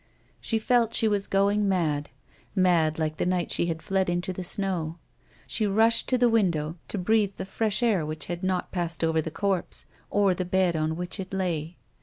She felt she was going mad ; mad, like the night she had fled into the snow. She rushed to the window to breathe the fresh air which had not passed over the corpse or the bed on which it lay.